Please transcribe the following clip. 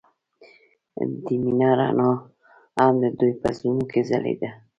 د مینه رڼا هم د دوی په زړونو کې ځلېده.